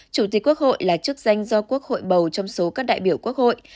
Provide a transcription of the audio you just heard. chủ tịch quốc hội là chức danh do quốc hội bầu trong số các đại biểu quốc hội